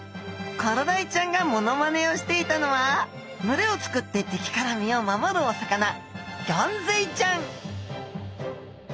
コロダイちゃんがモノマネをしていたのは群れを作って敵から身を守るお魚ゴンズイちゃん